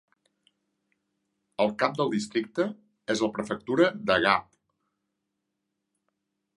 El cap del districte és la prefectura de Gap.